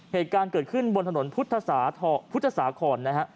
เหตุการณ์เกิดขึ้นบนถนนพุทธสาครนะฮะ